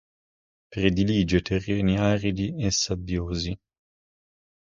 Predilige terreni aridi e sabbiosi.